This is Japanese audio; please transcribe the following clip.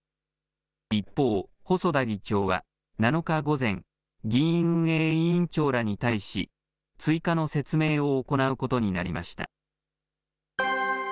一方、細田議長は７日午前、議院運営委員長らに対し、追加の説明を行うことになりました。